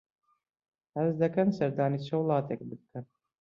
حەز دەکەن سەردانی چ وڵاتێک بکەن؟